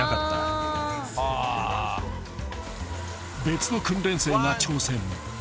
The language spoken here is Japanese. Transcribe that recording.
［別の訓練生が挑戦］